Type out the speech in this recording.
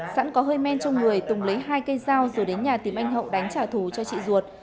sẵn có hơi men trong người tùng lấy hai cây dao rồi đến nhà tìm anh hậu đánh trả thù cho chị ruột